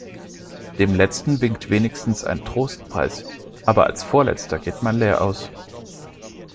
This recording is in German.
Dem Letzten winkt wenigstens ein Trostpreis, aber als Vorletzter geht man leer aus.